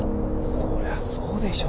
そりゃそうでしょ。